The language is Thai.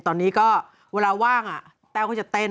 ตอนนี้ก็เวลาว่างแต้วก็จะเต้น